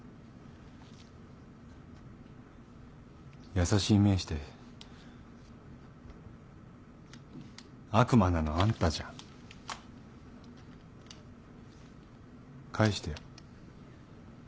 優しい目して悪魔なのあんたじゃん。返してよ。